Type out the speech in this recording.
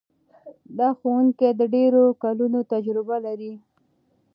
دا ښوونکی د ډېرو کلونو تجربه لري.